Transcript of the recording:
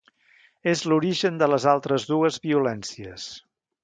És l'origen de les altres dues violències.